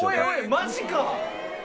マジか⁉